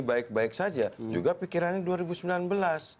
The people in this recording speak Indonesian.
baik baik saja juga pikirannya